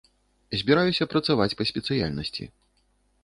Збіраюся працаваць па спецыяльнасці.